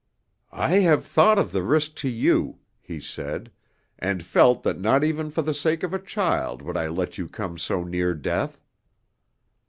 "I have thought of the risk to you," he said, "and felt that not even for the sake of a child would I let you come so near death."